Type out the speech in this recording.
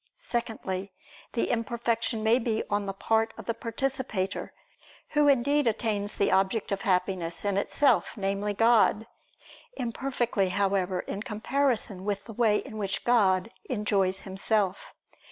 Secondly, the imperfection may be on the part of the participator, who indeed attains the object of Happiness, in itself, namely, God: imperfectly, however, in comparison with the way in which God enjoys Himself.